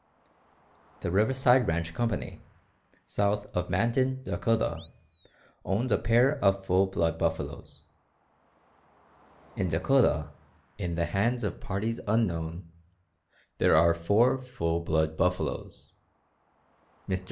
The Riverside Ranch Company, south of Mandan, Dakota, owns a pair of full blood buffaloes. In Dakota, in the hands of parties unknown, there are four full blood buffaloes. _Mr.